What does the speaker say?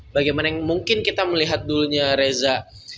bagaimana yang mungkin kita melihat dulunya reza